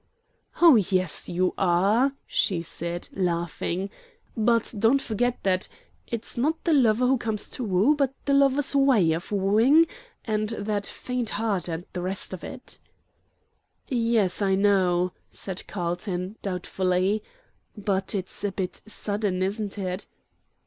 "Oh yes, you are!" she said, laughing; "but don't forget that 'it's not the lover who comes to woo, but the lover's WAY of wooing,' and that 'faint heart' and the rest of it." "Yes, I know," said Carlton, doubtfully; "but it's a bit sudden, isn't it?"